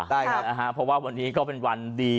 เพราะว่าวันนี้ก็เป็นวันดี